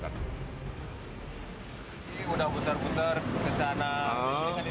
terus ini akan ditutup putar ke sini